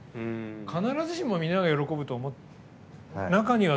必ずしも、みんなが喜ぶとは。